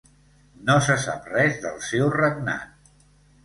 No se sap res del seu regnat.